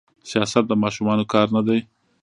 سياست د ماشومانو کار نه دي.